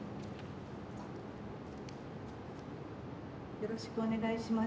よろしくお願いします。